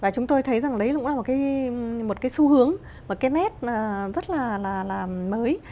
chúng tôi thấy lấy cũng là một cái xu hướng một cái nét rất là mới